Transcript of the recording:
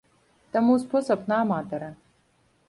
Таму спосаб на аматара.